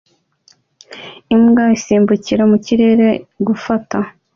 Imbwa isimbukira mu kirere gufata